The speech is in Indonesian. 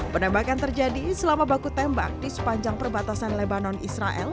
penembakan terjadi selama baku tembak di sepanjang perbatasan lebanon israel